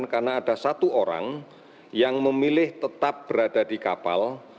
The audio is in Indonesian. karena ada satu orang yang memilih tetap berada di kapal